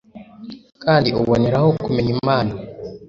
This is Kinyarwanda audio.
kandi ubonereho kumenya imana